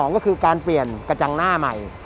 ก็คือการเปลี่ยนกระจังหน้าใหม่